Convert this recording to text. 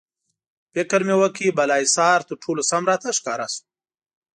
فکر مې وکړ، بالاحصار تر ټولو سم راته ښکاره شو.